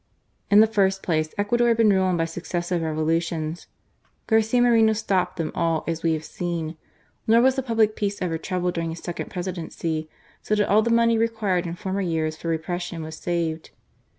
In the first place, Ecuador had been ruined by successive Revolutions. Garcia Moreno stopped them all as we have seen ; nor was the public peace ever troubled during his second Presidency, so that all the money required in former years for repression was saved.